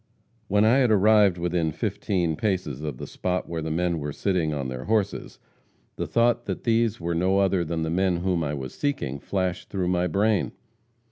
"When I had arrived within fifteen paces of the spot where the men were sitting on their horses, the thought that these were no other than the men whom I was seeking, flashed through my brain.